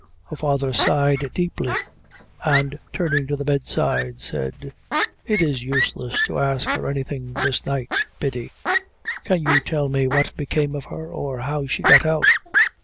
Her father sighed deeply, and turning to the bedside, said "It is useless to ask her anything this night, Biddy. Can you tell me what became of her, or how she got out?"